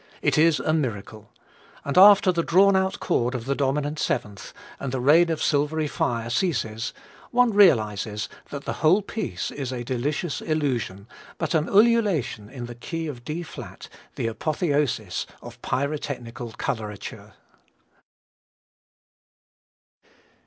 It is a miracle; and after the drawn out chord of the dominant seventh and the rain of silvery fire ceases one realizes that the whole piece is a delicious illusion, but an ululation in the key of D flat, the apotheosis of pyrotechnical colorature.